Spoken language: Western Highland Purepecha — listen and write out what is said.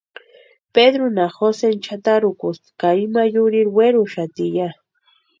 Pedrunha Joseni chʼatarhukusti ka ima yurhiri werhuxati ya.